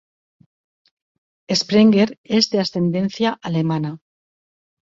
Sprenger es de ascendencia alemana.